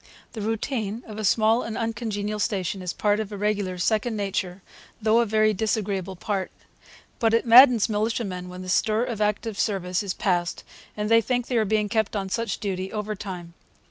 The routine of a small and uncongenial station is part of a regular's second nature, though a very disagreeable part. But it maddens militiamen when the stir of active service is past and they think they are being kept on such duty overtime.